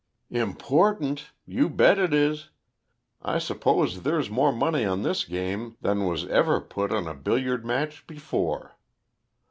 "Important! You bet it is. I suppose there's more money on this game than was ever put on a billiard match before.